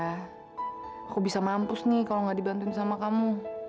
aku bisa mampus nih kalau gak dibantuin sama kamu